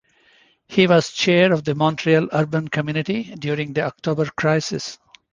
He was chair of the Montreal Urban Community during the October Crisis.